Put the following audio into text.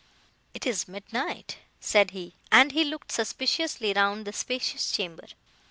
"It is midnight," said he, and he looked suspiciously round the spacious chamber.